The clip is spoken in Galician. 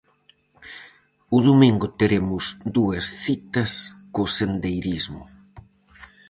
O domingo teremos dúas citas co sendeirismo.